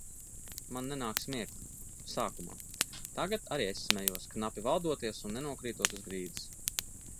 Man nenāk smiekli. Sākumā. Tagad arī es smejos, knapi valdoties un nenokrītot uz grīdas.